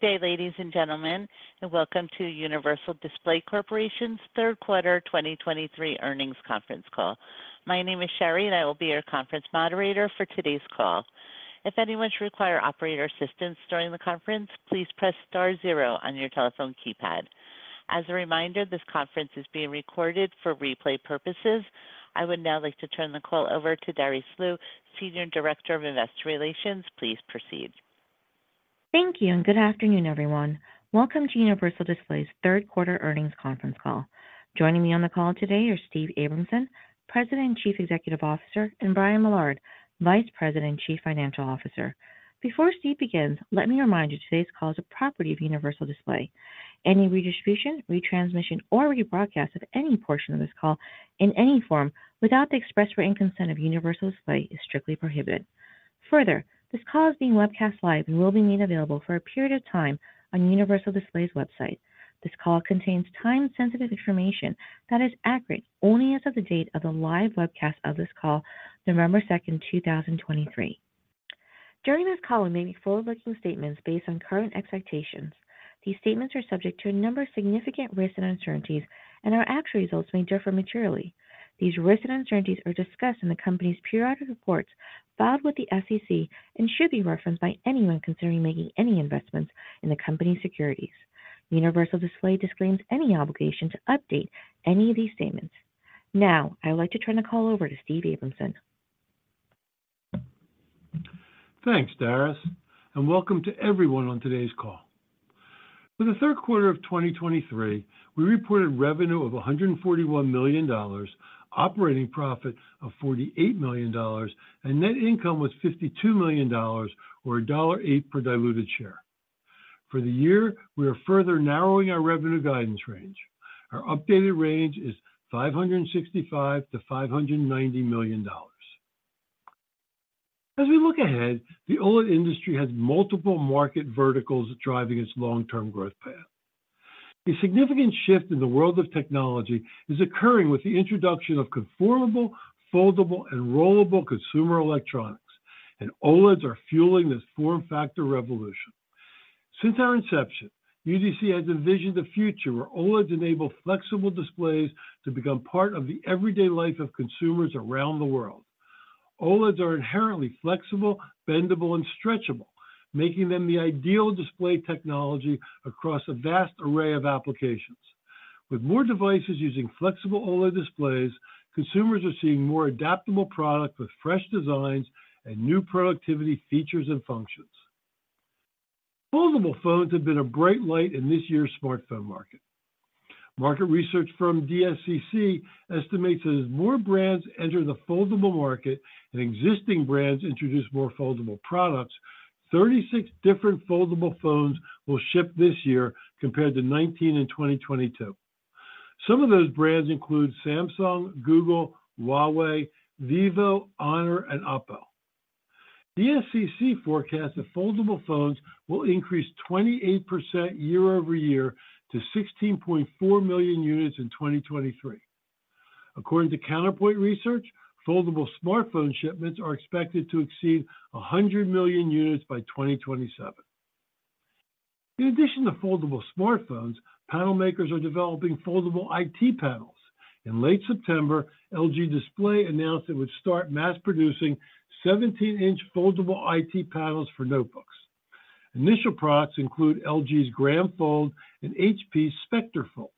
Good day, ladies and gentlemen, and welcome to Universal Display Corporation's third quarter 2023 earnings conference call. My name is Sherry, and I will be your conference moderator for today's call. If anyone should require operator assistance during the conference, please press star zero on your telephone keypad. As a reminder, this conference is being recorded for replay purposes. I would now like to turn the call over to Darice Liu, Senior Director of Investor Relations. Please proceed. Thank you, and good afternoon, everyone. Welcome to Universal Display's third-quarter earnings conference call. Joining me on the call today are Steve Abramson, President and Chief Executive Officer, and Brian Millard, Vice President and Chief Financial Officer. Before Steve begins, let me remind you that today's call is a property of Universal Display. Any redistribution, retransmission, or rebroadcast of any portion of this call in any form without the express written consent of Universal Display is strictly prohibited. Further, this call is being webcast live and will be made available for a period of time on Universal Display's website. This call contains time-sensitive information that is accurate only as of the date of the live webcast of this call, November 2nd, 2023. During this call, there may be forward-looking statements based on current expectations. These statements are subject to a number of significant risks and uncertainties, and our actual results may differ materially. These risks and uncertainties are discussed in the company's periodic reports filed with the SEC and should be referenced by anyone considering making any investments in the company's securities. Universal Display disclaims any obligation to update any of these statements. Now, I would like to turn the call over to Steve Abramson. Thanks, Darice, and welcome to everyone on today's call. For the third quarter of 2023, we reported revenue of $141 million, operating profit of $48 million, and net income of $52 million or $1.08 per diluted share. For the year, we are further narrowing our revenue guidance range. Our updated range is $565 million-$590 million. As we look ahead, the OLED industry has multiple market verticals driving its long-term growth path. A significant shift in the world of technology is occurring with the introduction of conformable, foldable, and rollable consumer electronics, and OLEDs are fueling this form factor revolution. Since our inception, UDC has envisioned a future where OLEDs enable flexible displays to become part of the everyday life of consumers around the world. OLEDs are inherently flexible, bendable, and stretchable, making them the ideal display technology across a vast array of applications. With more devices using flexible OLED displays, consumers are seeing more adaptable products with fresh designs and new productivity features and functions. Foldable phones have been a bright light in this year's smartphone market. Market research firm DSCC estimates that as more brands enter the foldable market and existing brands introduce more foldable products, 36 different foldable phones will ship this year compared to 19 in 2022. Some of those brands include Samsung, Google, Huawei, Vivo, Honor, and OPPO. DSCC forecasts that foldable phones will increase 28% year-over-year to 16.4 million units in 2023. According to Counterpoint Research, foldable smartphone shipments are expected to exceed 100 million units by 2027. In addition to foldable smartphones, panel makers are developing foldable IT panels. In late September, LG Display announced it would start mass-producing 17-inch foldable IT panels for notebooks. Initial products include the LG Gram Fold and HP Spectre Fold.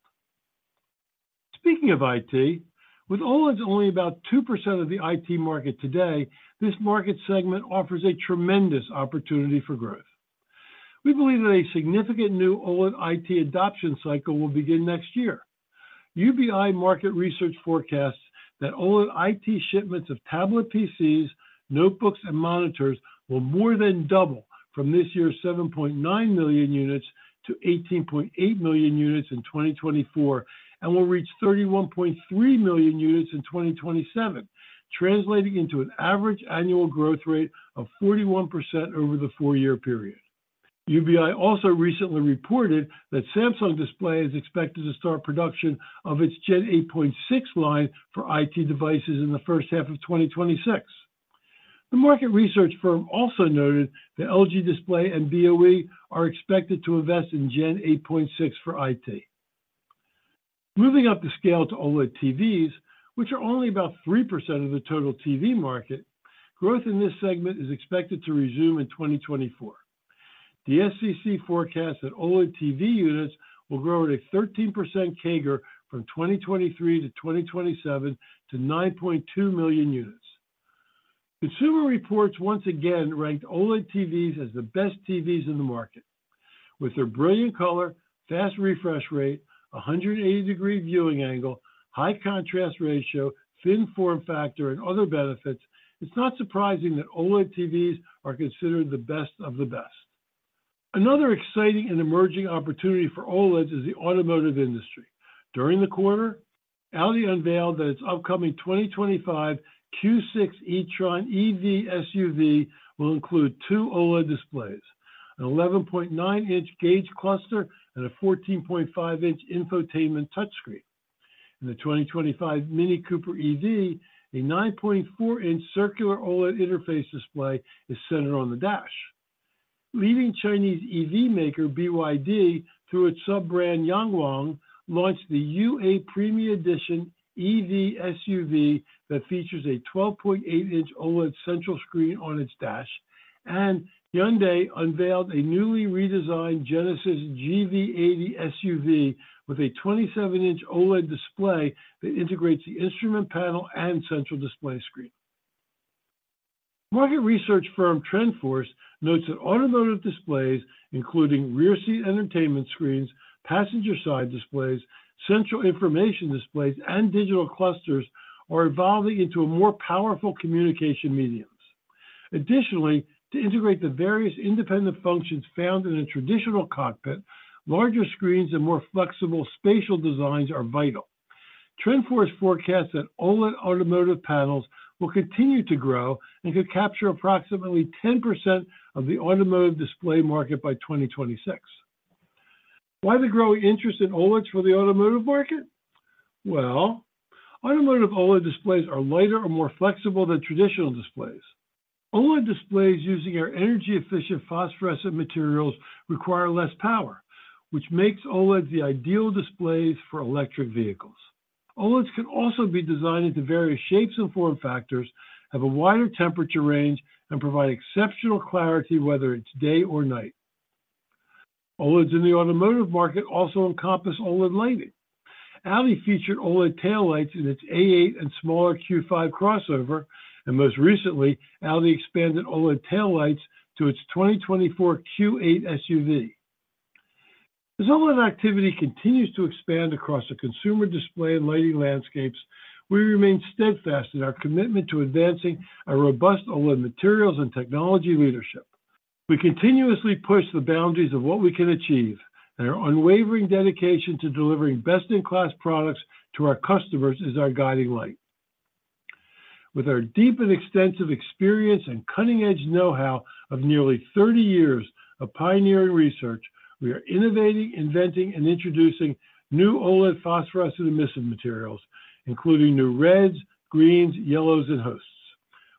Speaking of IT, with OLEDs only about 2% of the IT market today, this market segment offers a tremendous opportunity for growth. We believe that a significant new OLED IT adoption cycle will begin next year. UBI Research forecasts that OLED IT shipments of tablet PCs, notebooks, and monitors will more than double from this year's 7.9 million units to 18.8 million units in 2024, and will reach 31.3 million units in 2027, translating into an average annual growth rate of 41% over the four-year period. UBI also recently reported that Samsung Display is expected to start production of its Gen 8.6 line for IT devices in the first half of 2026. The market research firm also noted that LG Display and BOE are expected to invest in Gen 8.6 for IT. Moving up the scale to OLED TVs, which are only about 3% of the total TV market, growth in this segment is expected to resume in 2024. DSCC forecasts that OLED TV units will grow at a 13% CAGR from 2023 to 2027 to 9.2 million units. Consumer Reports once again ranked OLED TVs as the best TVs in the market. With their brilliant color, fast refresh rate, 180-degree viewing angle, high contrast ratio, thin form factor, and other benefits, it's not surprising that OLED TVs are considered the best of the best. Another exciting and emerging opportunity for OLEDs is the automotive industry. During the quarter, Audi unveiled that its upcoming 2025 Q6 e-tron EV SUV will include two OLED displays, an 11.9-inch gauge cluster, and a 14.5-inch infotainment touchscreen. In the 2025 Mini Cooper EV, a 9.4-inch circular OLED interface display is centered on the dash. Leading Chinese EV maker BYD, through its sub-brand Yangwang, launched the U8 Premium Edition EV SUV that features a 12.8-inch OLED central screen on its dash. Hyundai unveiled a newly redesigned Genesis GV80 SUV with a 27-inch OLED display that integrates the instrument panel and central display screen. Market research firm TrendForce notes that automotive displays, including rear seat entertainment screens, passenger side displays, central information displays, and digital clusters, are evolving into a more powerful communication media. Additionally, to integrate the various independent functions found in a traditional cockpit, larger screens and more flexible spatial designs are vital. TrendForce forecasts that OLED automotive panels will continue to grow and could capture approximately 10% of the automotive display market by 2026. Why the growing interest in OLEDs for the automotive market? Well, automotive OLED displays are lighter and more flexible than traditional displays. OLED displays, using our energy-efficient phosphorescent materials, require less power, which makes OLEDs the ideal displays for electric vehicles. OLEDs can also be designed into various shapes and form factors, have a wider temperature range, and provide exceptional clarity, whether it's day or night. OLEDs in the automotive market also encompass OLED lighting. Audi featured OLED taillights in its A8 and smaller Q5 crossover, and most recently, Audi expanded OLED taillights to its 2024 Q8 SUV. As OLED activity continues to expand across the consumer display and lighting landscapes, we remain steadfast in our commitment to advancing a robust OLED materials and technology leadership. We continuously push the boundaries of what we can achieve, and our unwavering dedication to delivering best-in-class products to our customers is our guiding light. With our deep and extensive experience and cutting-edge know-how of nearly 30 years of pioneering research, we are innovating, inventing, and introducing new OLED phosphorescent emissive materials, including new reds, greens, yellows, and hosts.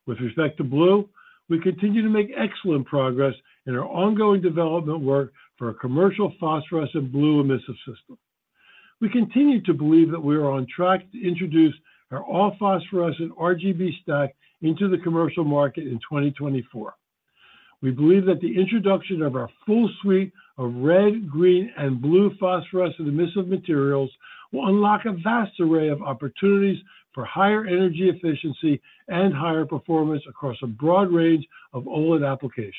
With respect to blue, we continue to make excellent progress in our ongoing development work for a commercial phosphorescent blue emissive system. We continue to believe that we are on track to introduce our all-phosphorescent RGB stack into the commercial market in 2024. We believe that the introduction of our full suite of red, green, and blue phosphorescent emissive materials will unlock a vast array of opportunities for higher energy efficiency and higher performance across a broad range of OLED applications.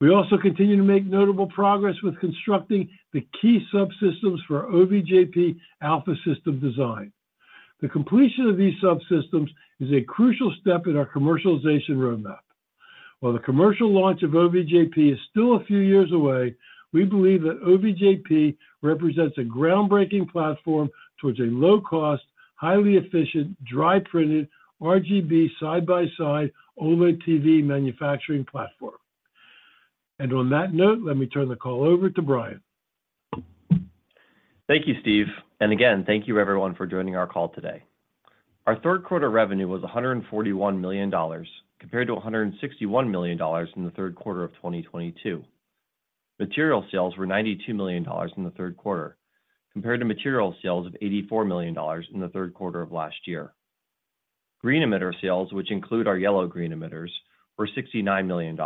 We also continue to make notable progress with constructing the key subsystems for the OVJP alpha system design. The completion of these subsystems is a crucial step in our commercialization roadmap. While the commercial launch of OVJP is still a few years away, we believe that OVJP represents a groundbreaking platform towards a low-cost, highly efficient, dry-printed RGB side-by-side OLED TV manufacturing platform. On that note, let me turn the call over to Brian. Thank you, Steve, and again, thank you, everyone, for joining our call today. Our third-quarter revenue was $141 million, compared to $161 million in the third quarter of 2022. Material sales were $92 million in the third quarter, compared to material sales of $84 million in the third quarter of last year. Green emitter sales, which include our yellow-green emitters, were $69 million.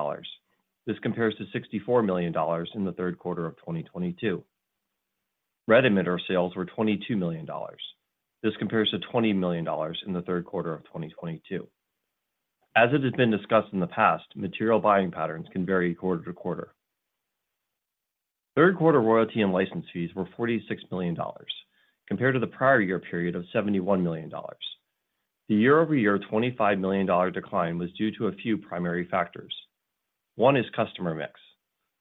This compares to $64 million in the third quarter of 2022. Red emitter sales were $22 million. This compares to $20 million in the third quarter of 2022. As it has been discussed in the past, material buying patterns can vary quarter to quarter. Third quarter royalty and license fees were $46 million, compared to the prior year period of $71 million. The year-over-year $25 million decline was due to a few primary factors. One is customer mix.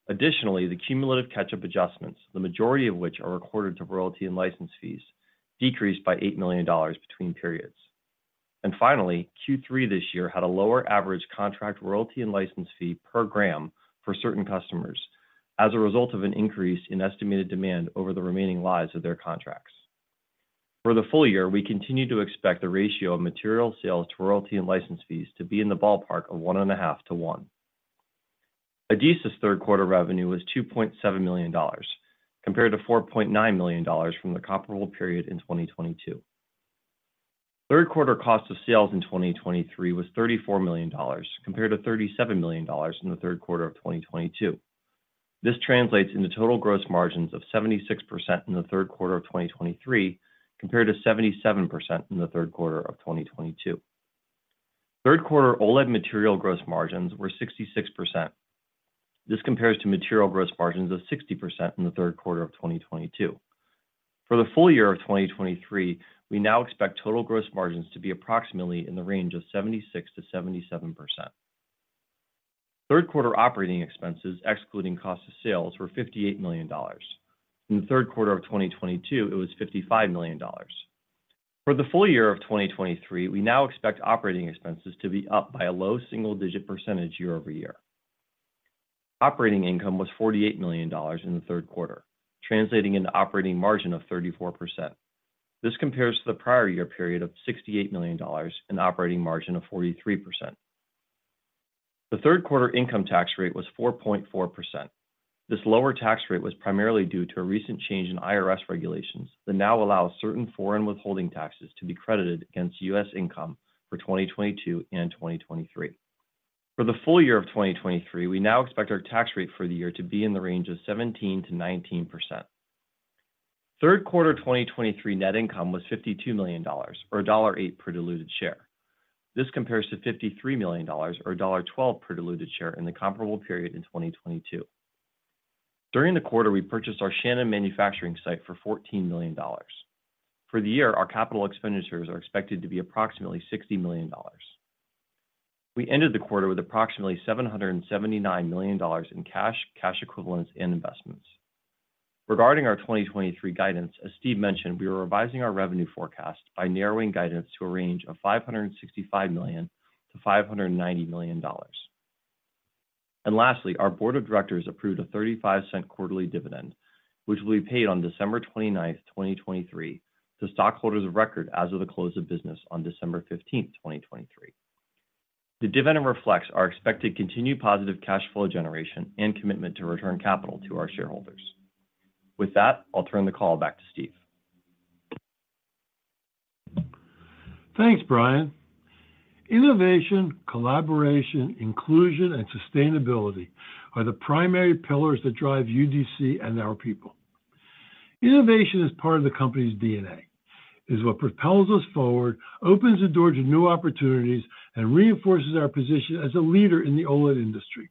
Additionally, the cumulative catch-up adjustments, the majority of which are recorded to royalty and license fees, decreased by $8 million between periods. And finally, Q3 this year had a lower average contract royalty and license fee per gram for certain customers as a result of an increase in estimated demand over the remaining lives of their contracts. For the full year, we continue to expect the ratio of material sales to royalty and license fees to be in the ballpark of one and a half to one. Adesis's third-quarter revenue was $2.7 million, compared to $4.9 million from the comparable period in 2022. Third-quarter cost of sales in 2023 was $34 million, compared to $37 million in the third quarter of 2022. This translates into total gross margins of 76% in the third quarter of 2023, compared to 77% in the third quarter of 2022. Third-quarter OLED material gross margins were 66%. This compares to material gross margins of 60% in the third quarter of 2022. For the full year of 2023, we now expect total gross margins to be approximately in the range of 76%-77%. Third quarter operating expenses, excluding cost of sales, were $58 million. In the third quarter of 2022, it was $55 million. For the full year of 2023, we now expect operating expenses to be up by a low single-digit percentage year over year. Operating income was $48 million in the third quarter, translating into an operating margin of 34%. This compares to the prior year period of $68 million and an operating margin of 43%. The third quarter income tax rate was 4.4%. This lower tax rate was primarily due to a recent change in IRS regulations that now allow certain foreign withholding taxes to be credited against U.S. income for 2022 and 2023. For the full year of 2023, we now expect our tax rate for the year to be in the range of 17%-19%. Third quarter 2023 net income was $52 million or $1.08 per diluted share. This compares to $53 million or $1.12 per diluted share in the comparable period in 2022. During the quarter, we purchased our Shannon manufacturing site for $14 million. For the year, our capital expenditures are expected to be approximately $60 million. We ended the quarter with approximately $779 million in cash, cash equivalents, and investments. Regarding our 2023 guidance, as Steve mentioned, we are revising our revenue forecast by narrowing guidance to a range of $565 million-$590 million. Lastly, our board of directors approved a $0.35 quarterly dividend, which will be paid on December 29th, 2023, to stockholders of record as of the close of business on December 15th, 2023. The dividend reflects our expected continued positive cash flow generation and commitment to return capital to our shareholders. With that, I'll turn the call back to Steve. Thanks, Brian. Innovation, collaboration, inclusion, and sustainability are the primary pillars that drive UDC and our people. Innovation is part of the company's DNA. It's what propels us forward, opens the door to new opportunities, and reinforces our position as a leader in the OLED industry.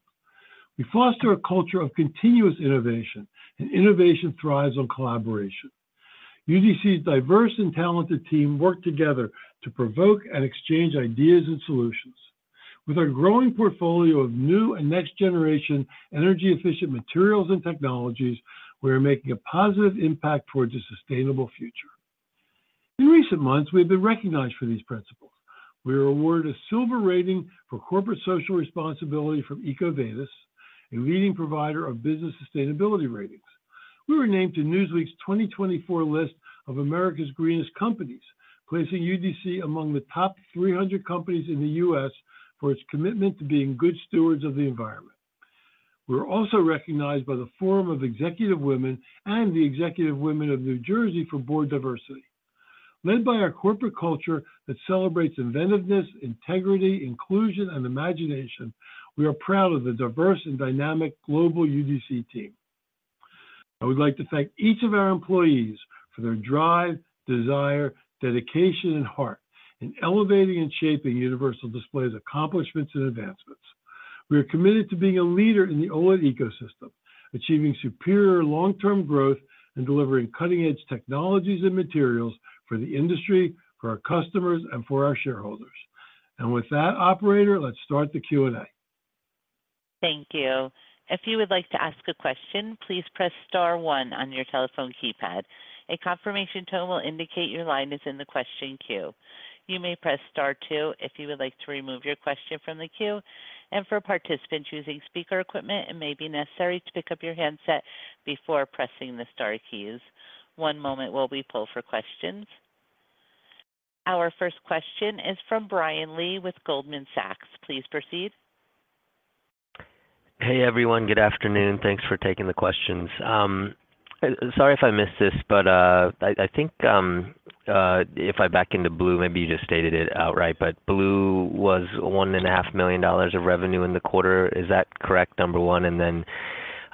We foster a culture of continuous innovation, and innovation thrives on collaboration. UDC's diverse and talented team works together to provoke and exchange ideas and solutions. With our growing portfolio of new and next-generation energy-efficient materials and technologies, we are making a positive impact towards a sustainable future. In recent months, we have been recognized for these principles. We were awarded a silver rating for corporate social responsibility from EcoVadis, a leading provider of business sustainability ratings. We were named to Newsweek's 2024 list of America's Greenest Companies, placing UDC among the top 300 companies in the U.S. for its commitment to being a good steward of the environment. We're also recognized by the Forum of Executive Women and the Executive Women of New Jersey for board diversity. Led by our corporate culture that celebrates inventiveness, integrity, inclusion, and imagination, we are proud of the diverse and dynamic global UDC team. I would like to thank each of our employees for their drive, desire, dedication, and heart in elevating and shaping Universal Display's accomplishments and advancements. We are committed to being a leader in the OLED ecosystem, achieving superior long-term growth, and delivering cutting-edge technologies and materials for the industry, for our customers, and for our shareholders. With that, operator, let's start the Q&A. Thank you. If you would like to ask a question, please press star one on your telephone keypad. A confirmation tone will indicate your line is in the question queue. You may press star two if you would like to remove your question from the queue, and for participants using speaker equipment, it may be necessary to pick up your handset before pressing the star keys. One moment while we pull for questions. Our first question is from Brian Lee with Goldman Sachs. Please proceed. Hey, everyone. Good afternoon. Thanks for taking the questions. Sorry if I missed this, but I think if I go back into blue, maybe you just stated it outright, but blue was $1.5 million of revenue in the quarter. Is that correct, number one? And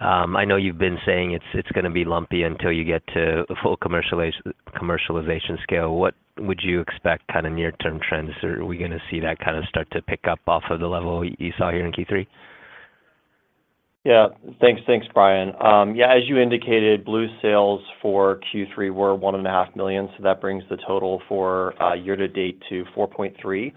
then, I know you've been saying it's gonna be lumpy until you get to full commercialization scale. What would you expect kind of near-term trends? Are we gonna see that kind of start to pick up off the level you saw here in Q3? Yeah. Thanks. Thanks, Brian. Yeah, as you indicated, blue sales for Q3 were $1.5 million, so that brings the total for the year-to-date to $4.3 million.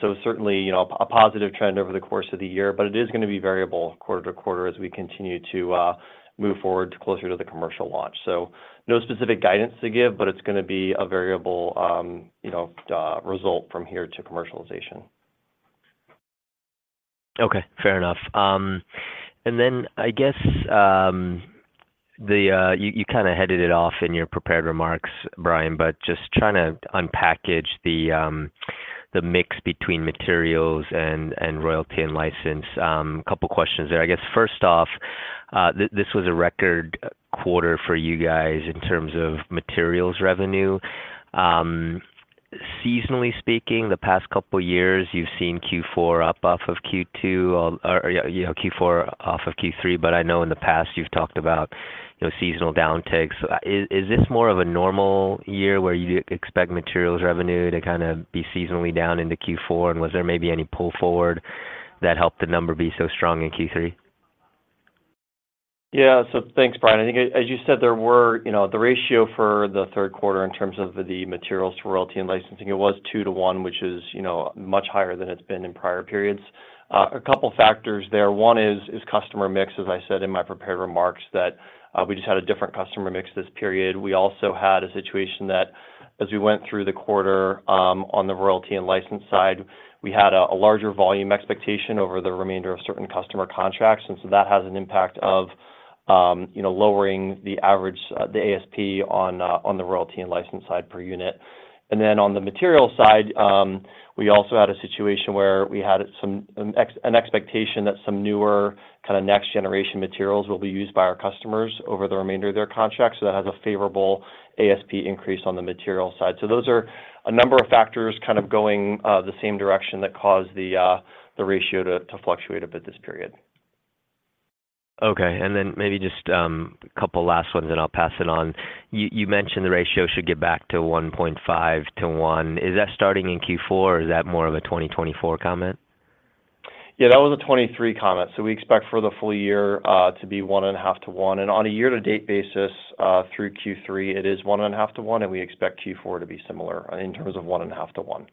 So certainly, you know, a positive trend over the course of the year, but it is gonna be variable quarter to quarter as we continue to move forward closer to the commercial launch. So, no specific guidance to give, but it's gonna be a variable, you know, result from here to commercialization. Okay, fair enough. And then I guess the. You kind of headed it off in your prepared remarks, Brian, but just trying to unpack the mix between materials and royalty and license. A couple of questions there. I guess, first off, this was a record quarter for you guys in terms of materials revenue. Seasonally speaking, the past couple years, you've seen Q4 up off of Q2, you know, Q4 off of Q3, but I know in the past you've talked about, you know, seasonal downticks. So is this more of a normal year where you expect materials revenue to kind of be seasonally down into Q4, and was there maybe any pull forward that helped the number be so strong in Q3? Yeah. So thanks, Brian. I think, as you said, there were, you know, the ratio for the third quarter in terms of the materials to royalty and licensing, it was two-to-one, which is, you know, much higher than it's been in prior periods. A couple of factors there. One is customer mix, as I said in my prepared remarks, that we just had a different customer mix this period. We also had a situation that as we went through the quarter, on the royalty and license side, we had a larger volume expectation over the remainder of certain customer contracts, and so that has an impact of, you know, lowering the average, the ASP on, on the royalty and license side per unit. And then on the material side, we also had a situation where we had an expectation that some newer kind of next generation materials will be used by our customers over the remainder of their contract, so that has a favorable ASP increase on the material side. So those are a number of factors kind of going the same direction that caused the ratio to fluctuate a bit this period. Okay. Then maybe just a couple last ones, then I'll pass it on. You mentioned the ratio should get back to one and a half to one. Is that starting in Q4 or is that more of a 2024 comment? Yeah, that was a 2023 comment. So we expect for the full year to be one and a half to one. And on a year-to-date basis through Q3, it is one and a half to one, and we expect Q4 to be similar in terms of one and a half to one.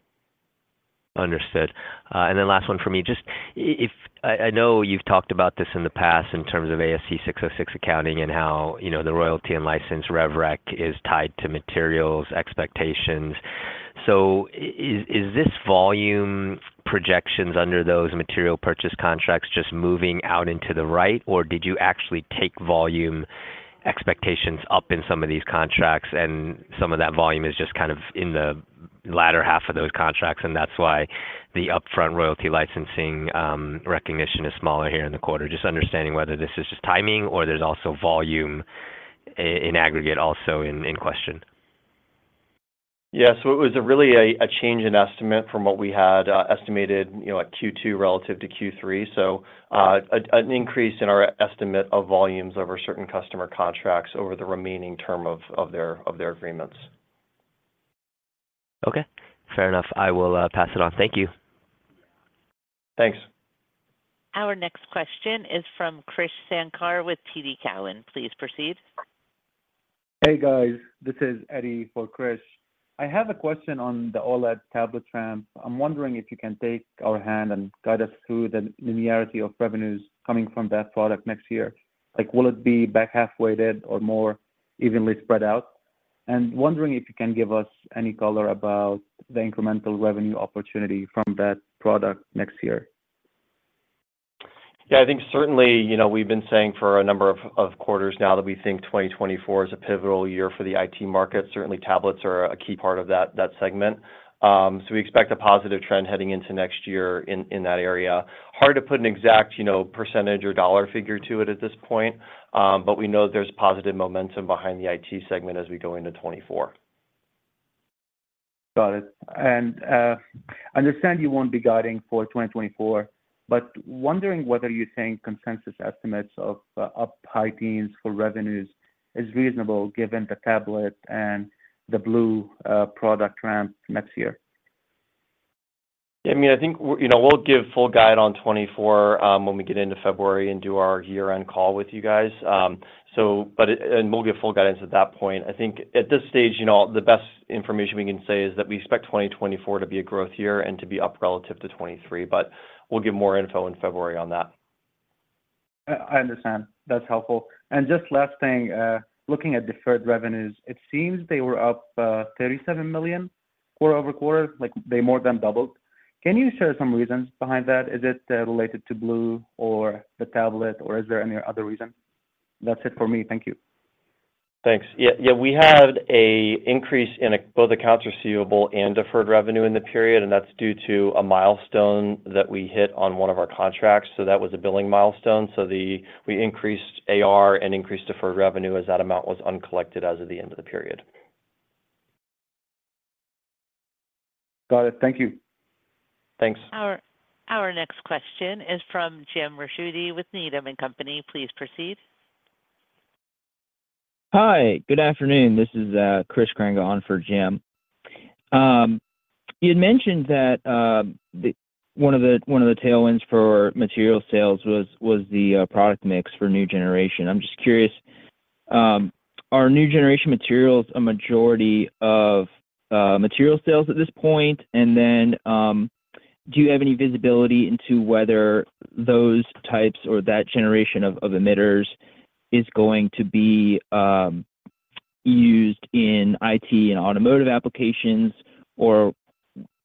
Understood. And then last one for me. Just if I know you've talked about this in the past in terms of ASC 606 accounting and how, you know, the royalty and license rev rec is tied to materials expectations. So is this volume projections under those material purchase contracts just moving out into the right, or did you actually take volume expectations up in some of these contracts, and some of that volume is just kind of in the latter half of those contracts, and that's why the upfront royalty licensing recognition is smaller here in the quarter? Just understanding whether this is just timing or there's also volume in aggregate also in question. Yeah, so it was really a change in estimate from what we had estimated, you know, at Q2 relative to Q3. So, an increase in our estimate of volumes over certain customer contracts over the remaining term of their agreements. Okay, fair enough. I will pass it on. Thank you. Thanks. Our next question is from Krish Sankar with TD Cowen. Please proceed. Hey, guys. This is Eddy for Krish. I have a question on the OLED tablet ramp. I'm wondering if you can lend a hand and guide us through the linearity of revenues coming from that product next year. Like, will it be back-half weighted or more evenly spread out? And wondering if you can give us any color about the incremental revenue opportunity from that product next year. Yeah, I think certainly, you know, we've been saying for a number of quarters now that we think 2024 is a pivotal year for the IT market. Certainly, tablets are a key part of that segment. So we expect a positive trend heading into next year in that area. Hard to put an exact, you know, percentage or dollar figure to it at this point, but we know there's positive momentum behind the IT segment as we go into 2024. Got it. I understand you won't be guiding for 2024, but wondering whether you think consensus estimates of up high teens for revenues is reasonable given the tablet and the blue product ramp next year? Yeah, I mean, I think, we're, you know, we'll give full guide on 2024 when we get into February and do our year-end call with you guys. But we'll give full guidance at that point. I think at this stage, you know, the best information we can say is that we expect 2024 to be a growth year and to be up relative to 2023, but we'll give more info in February on that. I understand. That's helpful. Just last thing, looking at deferred revenues, it seems they were up $37 million quarter-over-quarter, like, they more than doubled. Can you share some reasons behind that? Is it related to blue or the tablet, or is there any other reason? That's it for me. Thank you. Thanks. Yeah, yeah, we had an increase in both accounts receivable and deferred revenue in the period, and that's due to a milestone that we hit on one of our contracts, so that was a billing milestone. So we increased AR and increased deferred revenue, as that amount was uncollected as of the end of the period. Got it. Thank you. Thanks. Our next question is from Jim Ricchiuti with Needham & Company. Please proceed. Hi, good afternoon. This is Chris Grenga on for Jim. You had mentioned that one of the tailwinds for material sales was the product mix for new generation. I'm just curious, are new generation materials a majority of material sales at this point? And then, do you have any visibility into whether those types or that generation of emitters is going to be used in IT and automotive applications, or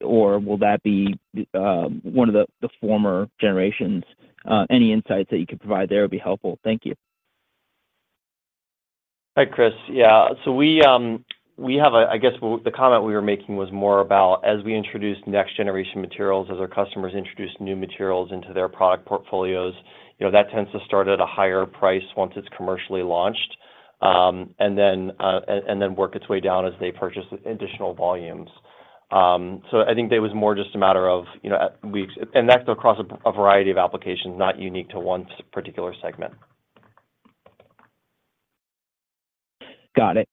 will that be one of the former generations? Any insights that you could provide there would be helpful. Thank you. Hi, Chris. Yeah. So we have a. I guess the comment we were making was more about as we introduce next generation materials, as our customers introduce new materials into their product portfolios, you know, that tends to start at a higher price once it's commercially launched, and then, and then work its way down as they purchase additional volumes. So I think that was more just a matter of, you know, and that's across a variety of applications, not unique to one particular segment. Got it.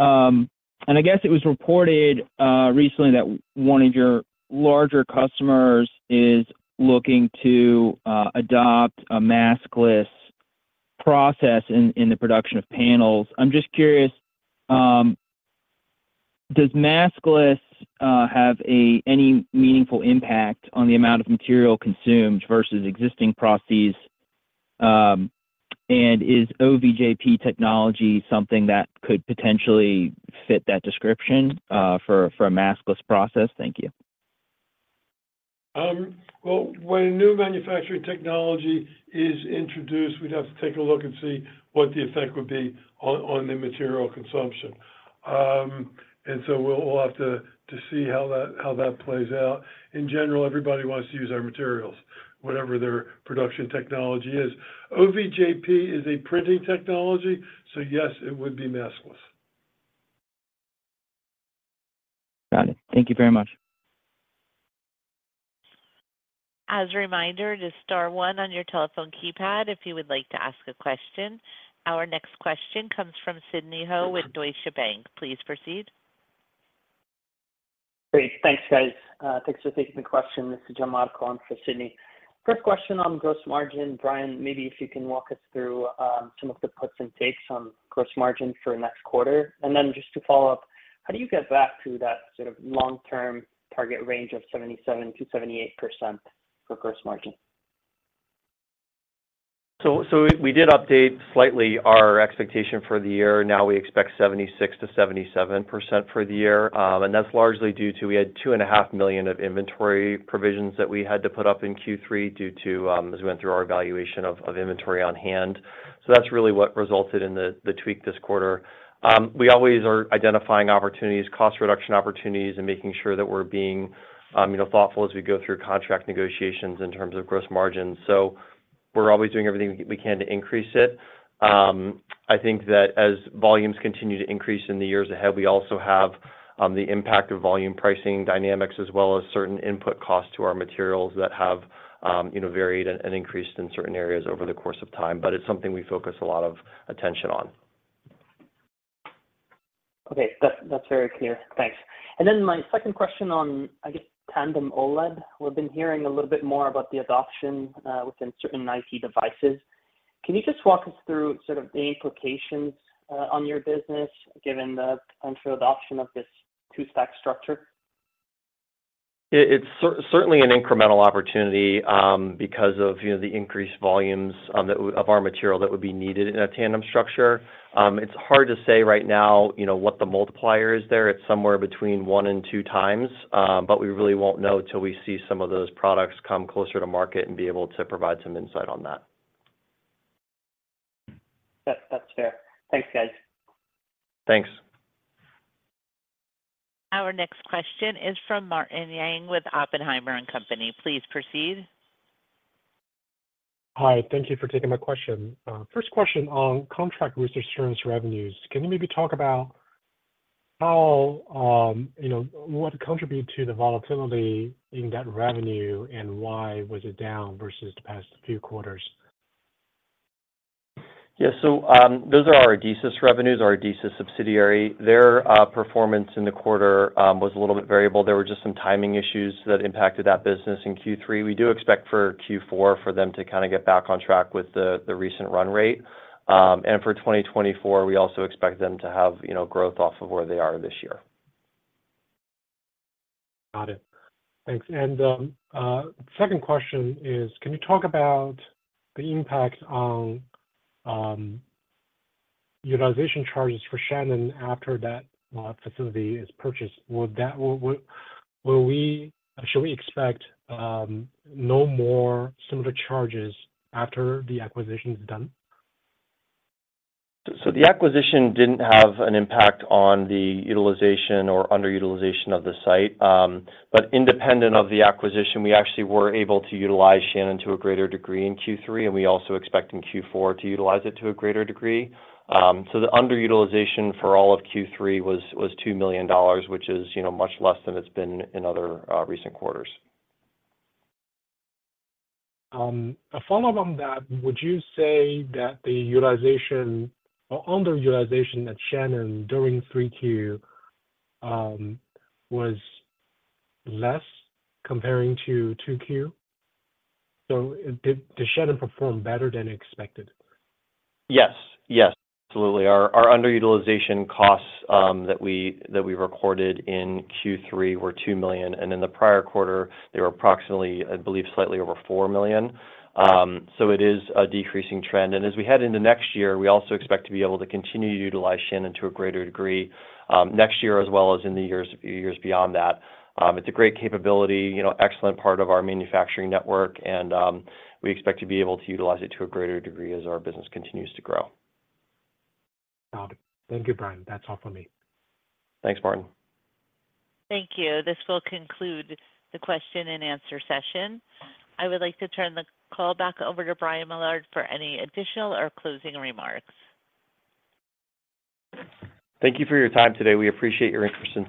And I guess it was reported recently that one of your larger customers is looking to adopt a maskless process in the production of panels. I'm just curious, does maskless have any meaningful impact on the amount of material consumed versus existing processes? And is OVJP technology something that could potentially fit that description, for a maskless process? Thank you. Well, when a new manufacturing technology is introduced, we'd have to take a look and see what the effect would be on the material consumption. And so we'll have to see how that plays out. In general, everybody wants to use our materials, whatever their production technology is. OVJP is a printing technology, so yes, it would be maskless. Got it. Thank you very much. As a reminder, just star one on your telephone keypad if you would like to ask a question. Our next question comes from Sidney Ho with Deutsche Bank. Please proceed. Great. Thanks, guys. Thanks for taking the question. This is Jamal calling for Sidney. First question on gross margin. Brian, maybe if you can walk us through some of the puts and takes on gross margin for next quarter. And then just to follow up, how do you get back to that sort of long-term target range of 77%-78% for gross margin? We did update slightly our expectation for the year. Now we expect 76%-77% for the year, and that's largely due to we had $2.5 million of inventory provisions that we had to put up in Q3 due to, as we went through our evaluation of inventory on hand. So that's really what resulted in the tweak this quarter. We always are identifying opportunities, cost reduction opportunities, and making sure that we're being, you know, thoughtful as we go through contract negotiations in terms of gross margins. So we're always doing everything we can to increase it. I think that as volumes continue to increase in the years ahead, we also have the impact of volume pricing dynamics, as well as certain input costs to our materials that have, you know, varied and increased in certain areas over the course of time, but it's something we focus a lot of attention on. Okay. That's, that's very clear. Thanks. And then my second question is on, I guess, tandem OLED. We've been hearing a little bit more about the adoption within certain IT devices. Can you just walk us through sort of the implications on your business, given the potential adoption of this two-stack structure? It's certainly an incremental opportunity, you know, because of the increased volumes of our material that would be needed in a tandem structure. It's hard to say right now, you know, what the multiplier is there. It's somewhere between one and two times, but we really won't know till we see some of those products come closer to market and be able to provide some insight on that. That's fair. Thanks, guys. Thanks. Our next question is from Martin Yang with Oppenheimer & Co. Please proceed. Hi, thank you for taking my question. First question on contract research revenues. Can you maybe talk about how, you know, what contributed to the volatility in that revenue, and why was it down versus the past few quarters? Yeah. So, those are our Adesis revenues, our Adesis subsidiary. Their performance in the quarter was a little bit variable. There were just some timing issues that impacted that business in Q3. We do expect for Q4 for them to kind of get back on track with the recent run rate. And for 2024, we also expect them to have, you know, growth off of where they are this year. Got it. Thanks. And, second question is, can you talk about the impact on utilization charges for Shannon after that facility is purchased? Would that, will we, should we expect no more similar charges after the acquisition is done? The acquisition didn't have an impact on the utilization or underutilization of the site. But independent of the acquisition, we actually were able to utilize Shannon to a greater degree in Q3, and we also expect in Q4 to utilize it to a greater degree. The underutilization for all of Q3 was $2 million, which is, you know, much less than it's been in other recent quarters. A follow on that, would you say that the utilization or underutilization at Shannon during 3Q was less compared to 2Q? So did Shannon perform better than expected? Yes. Yes, absolutely. The underutilization costs that we recorded in Q3 were $2 million, and in the prior quarter, they were approximately, I believe, slightly over $4 million. So it is a decreasing trend. And as we head into next year, we also expect to be able to continue to utilize Shannon to a greater degree next year, as well as in the years beyond that. It's a great capability, you know, an excellent part of our manufacturing network, and we expect to be able to utilize it to a greater degree as our business continues to grow. Got it. Thank you, Brian. That's all for me. Thanks, Martin. Thank you. This will conclude the question and answer session. I would like to turn the call back over to Brian Millard for any additional or closing remarks. Thank you for your time today. We appreciate your interest in.